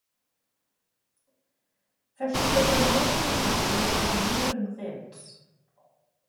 Felly gofynnon nhw iddi ei rannu rhyngddynt.